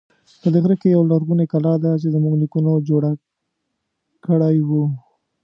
په دې غره کې یوه لرغونی کلا ده چې زمونږ نیکونو جوړه کړی و